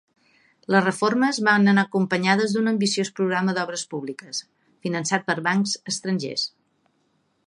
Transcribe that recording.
Les reformes van anar acompanyades d'un ambiciós programa d'obres públiques, finançat per bancs estrangers.